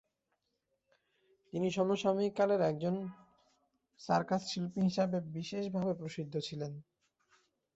তিনি সমসাময়িক কালে একজন সার্কাস শিল্পী হিসাবে বিশেষভাবে প্রসিদ্ধ ছিলেন।